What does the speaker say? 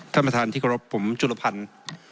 ท่านประธานที่เคารพผมจุลพันธ์